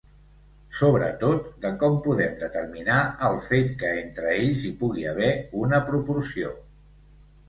Sobretot de com podem determinar el fet que entre ells hi pugui haver una proporció.